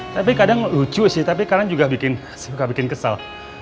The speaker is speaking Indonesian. tapi kadang lucu sih tapi kadang juga bikin kesal